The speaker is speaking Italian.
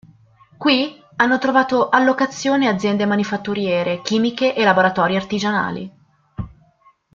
Qui hanno trovato allocazione aziende manifatturiere, chimiche e laboratori artigianali.